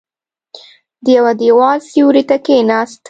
د يوه دېوال سيوري ته کېناست.